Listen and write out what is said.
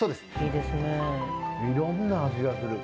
いろんな味がする。